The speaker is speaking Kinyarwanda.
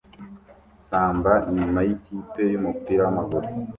Samba nyuma yikipe yumupira wamaguru